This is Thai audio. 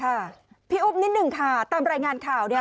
ค่ะพี่อุ๊บนิดหนึ่งค่ะตามรายงานข่าวเนี่ย